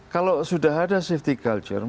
kalau sudah ada safety culture